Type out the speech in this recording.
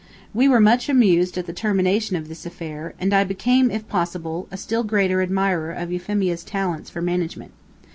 We were much amused at the termination of this affair, and I became, if possible, a still greater admirer of Euphemia's talents for management.